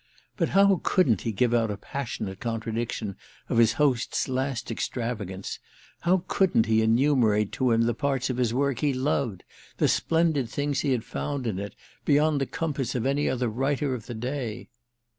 But how couldn't he give out a passionate contradiction of his host's last extravagance, how couldn't he enumerate to him the parts of his work he loved, the splendid things he had found in it, beyond the compass of any other writer of the day?